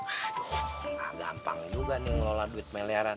aduh gak gampang juga nih ngelola duit melelaran